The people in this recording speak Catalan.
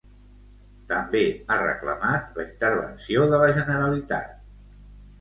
També ha reclamat la intervenció de la Generalitat.